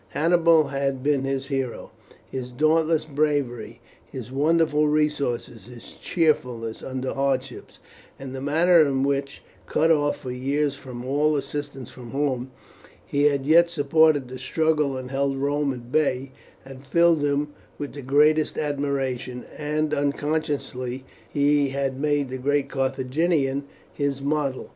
Hannibal had been his hero. His dauntless bravery, his wonderful resources, his cheerfulness under hardships, and the manner in which, cut off for years from all assistance from home, he had yet supported the struggle and held Rome at bay, had filled him with the greatest admiration, and unconsciously he had made the great Carthaginian his model.